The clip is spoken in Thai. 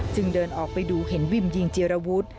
จึงเดินออกไปดูเห็นวิ่มยิงจีระวุธ